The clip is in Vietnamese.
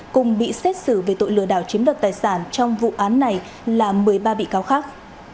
cùng bị xét xử về tội lừa đảo chiếm đoạt tài sản trong vụ án này là một mươi ba bị cáo khác